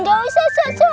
gak usah sok sok